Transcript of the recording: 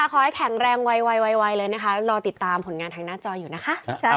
ขอให้แข็งแรงไวเลยนะคะรอติดตามผลงานทางหน้าจออยู่นะคะ